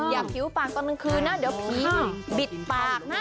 อย่าผิวฝากตอนเมื่อคืนนะเดี๋ยวผีบิดฝากนะ